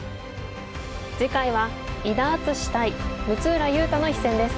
次回は伊田篤史対六浦雄太の一戦です。